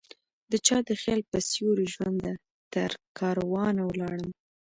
دچا د خیال په سیوری ژونده ؛ ترکاروان ولاړمه